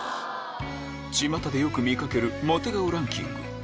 ちまたでよく見かけるモテ顔ランキング